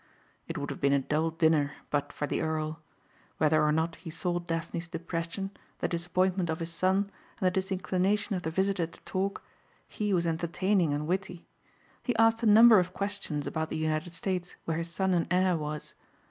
It would have been a dull dinner but for the earl. Whether or not he saw Daphne's depression, the disappointment of his son and the disinclination of the visitor to talk, he was entertaining and witty. He asked a number of questions about the United States where his son and heir was.